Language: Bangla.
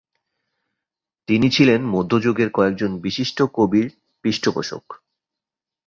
তিনি ছিলেন মধ্যযুগের কয়েকজন বিশিষ্ট কবির পৃষ্ঠপোষক।